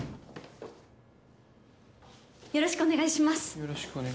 よろしくお願いします。